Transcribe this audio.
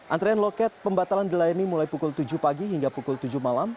antrean loket pembatalan dilayani mulai pukul tujuh pagi hingga pukul tujuh malam